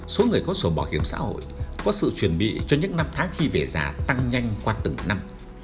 số người có sổ bỏ kiếm xã hội có sự chuẩn bị cho những năm tháng khi vẻ già tăng nhanh qua từng năm